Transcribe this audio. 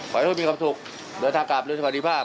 ขอให้ทุกคนมีความสุขเดินทางกลับเรือนสวัสดีภาพ